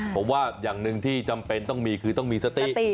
ผมว่าอย่างหนึ่งที่จำเป็นต้องมีคือต้องมีสติ